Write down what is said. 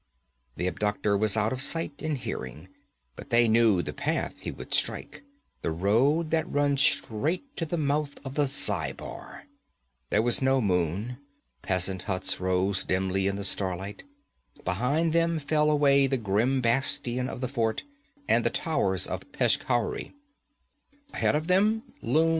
The abductor was out of sight and hearing, but they knew the path he would strike the road that runs straight to the mouth of the Zhaibar. There was no moon; peasant huts rose dimly in the starlight. Behind them fell away the grim bastion of the fort, and the towers of Peshkhauri.